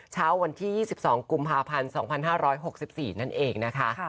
เช้าวันที่๒๒กุมภาพันธ์๒๕๖๔นั่นเองนะคะ